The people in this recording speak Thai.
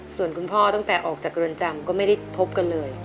ส่วนคุณพ่อตั้งแต่ออกจากเรือนจำก็ไม่ได้พบกันเลย